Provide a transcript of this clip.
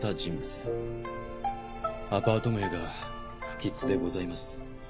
アパート名が不吉でございます。